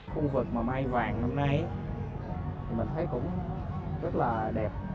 khu vực mà mai vàng năm nay thì mình thấy cũng rất là đẹp